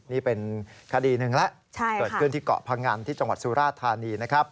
นี่เป็นคดีหนึ่งแล้วเกิดขึ้นที่เกาะพงันที่จังหวัดสุราธานีนะครับ